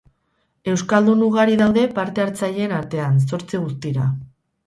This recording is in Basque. Euskaldun ugari daude parte hartzaileen artean, zortzi guztira.